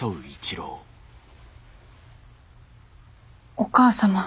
お母様。